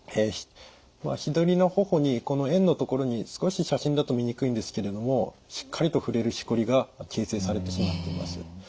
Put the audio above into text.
左の頬にこの円の所に少し写真だと見にくいんですけれどもしっかりと触れるしこりが形成されてしまっています。